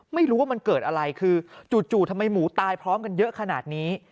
ไม่รู้ว่ามันเกิดอะไรคือจู่ทำไมหมูตายพร้อมกันเยอะขนาดนี้